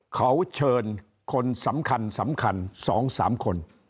เขาเชิญคนสำคัญ๒๓คน